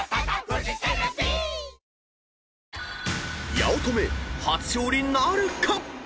［八乙女初勝利なるか⁉］